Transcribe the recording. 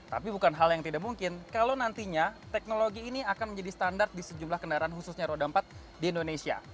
tapi bukan hal yang tidak mungkin kalau nantinya teknologi ini akan menjadi standar di sejumlah kendaraan khususnya roda empat di indonesia